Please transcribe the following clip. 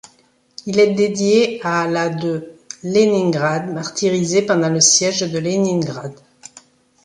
Il est dédié à la de Léningrad, martyrisée pendant le siège de Léningrad.